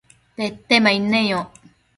Petemaid neyoc